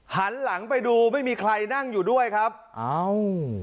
หันหลังไปดูไม่มีใครนั่งอยู่ด้วยครับอ้าว